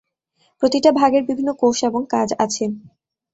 প্রতিটা ভাগের বিভিন্ন কোষ এবং কাজ আছে।